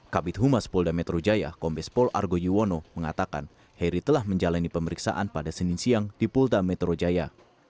kabit humas polda metro jaya kombes pol argo yuwono mengatakan heri telah menjalani pemeriksaan pada senin siang di polda metro jaya